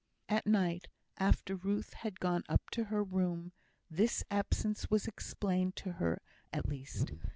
At night, after Ruth had gone up to her room, this absence was explained to her at least.